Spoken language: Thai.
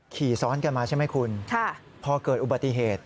ขี่ซ้อนกันมาใช่ไหมคุณพอเกิดอุบัติเหตุ